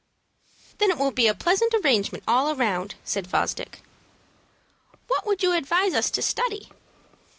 "Then it will be a pleasant arrangement all round," said Fosdick. "What would you advise us to study?"